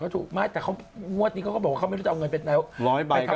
ก็ถูกไม่แต่เขางวดนี้ก็บอกว่าเขาไม่รู้จะเอาเงินไปทำอะไรด้วยเหมือนกัน